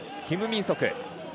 キム・ミンソク。